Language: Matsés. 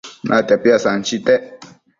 Natia piasanchitec